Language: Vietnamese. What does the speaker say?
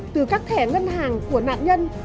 từ các thẻ ngân hàng của nạn nhân